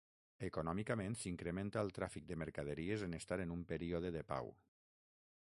Econòmicament s'incrementa el tràfic de mercaderies en estar en un període de pau.